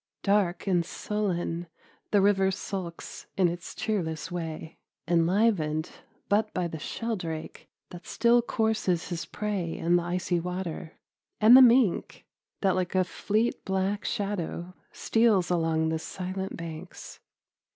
Dark and sullen the river sulks its cheerless way, enlivened but by the sheldrake that still courses his prey in the icy water, and the mink that like a fleet black shadow steals along the silent banks.